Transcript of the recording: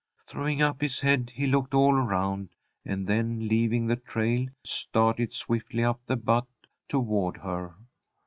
Throwing up his head he looked all around, and then, leaving the trail, started swiftly up the butte toward her.